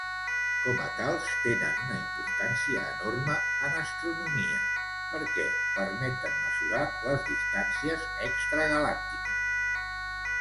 Com a tals, tenen una importància enorme en astronomia perquè permeten mesurar les distàncies extragalàctiques.